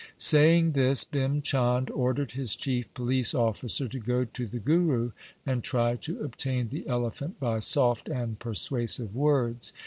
Saying this Bhim Chand ordered his chief police officer to go to the Guru, and try to obtain the elephant by soft and persuasive words.